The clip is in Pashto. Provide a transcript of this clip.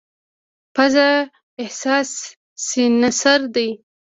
پزه حساس سینسر دی.